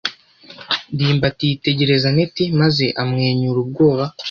ndimbati yitegereza anet maze amwenyura ubwoba.